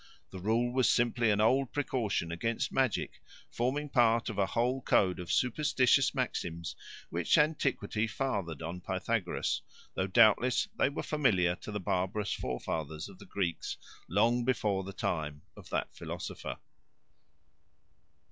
The rule was simply an old precaution against magic, forming part of a whole code of superstitious maxims which antiquity fathered on Pythagoras, though doubtless they were familiar to the barbarous forefathers of the Greeks long before the time of that philosopher.